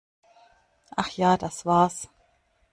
Ach ja, das war's!